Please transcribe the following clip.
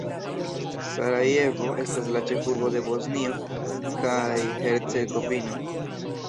Sarajevo estas la ĉefurbo de Bosnio kaj Hercegovino.